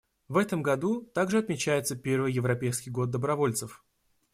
В этом году также отмечается первый Европейский год добровольцев.